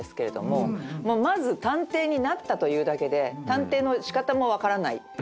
まず探偵になったというだけで探偵の仕方も分からない。